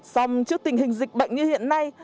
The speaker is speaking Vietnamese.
xong trước tình hình dịch bệnh như hiện nay